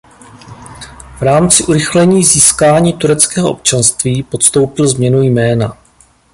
V rámci urychlení získání tureckého občanství podstoupil změnu jména.